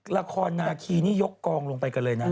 ละครนาคีนี่ยกกองลงไปกันเลยนะ